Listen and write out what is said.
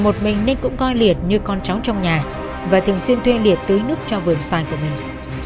một mình nên cũng coi liệt như con cháu trong nhà và thường xuyên thuê liệt tưới nước cho vườn xoài của mình